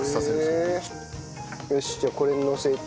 よしじゃあこれにのせて。